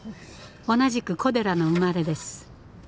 同じく古寺の生まれです。